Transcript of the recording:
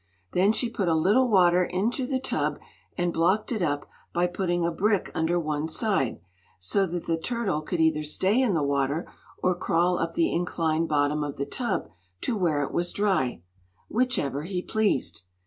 Then she put a little water into the tub and blocked it up by putting a brick under one side, so that the turtle could either stay in the water or crawl up the inclined bottom of the tub to where it was dry, whichever he pleased.